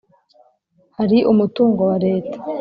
Hari umutungo wa Leta .